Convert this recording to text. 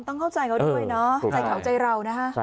ต้องเข้าใจเขาด้วยเนาะใจเขาใจเรานะฮะ